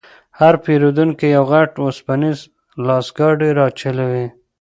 هر پېرونکی یو غټ وسپنیز لاسګاډی راچلوي.